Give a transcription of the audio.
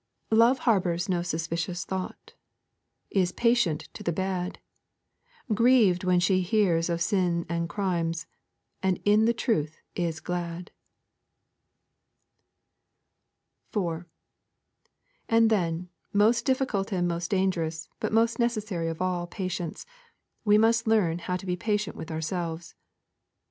'Love harbours no suspicious thought, Is patient to the bad: Grieved when she hears of sins and crimes, And in the truth is glad.' 4. And then, most difficult and most dangerous, but most necessary of all patience, we must learn how to be patient with ourselves.